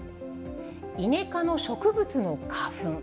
イネ科の植物の花粉。